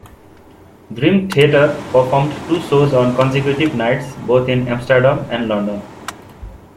Dream Theater performed two shows on consecutive nights both in Amsterdam and London.